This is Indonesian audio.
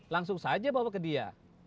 langsung saja bawa ke dia